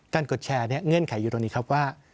การกดแชร์เนี่ยเงื่อนไขอยู่ตรงนี้ครับว่า